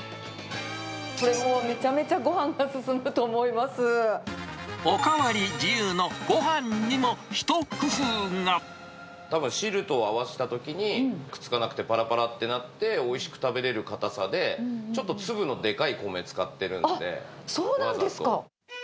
これもう、めちゃめちゃごはんがお代わり自由のごはんにも、たぶん、汁と合わせたときにくっつかなくて、ぱらぱらってなって、おいしく食べれるかたさで、ちょっと粒のでかい米使ってるのあっ、そうなんですか。